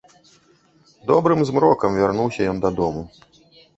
Добрым змрокам вярнуўся ён дадому.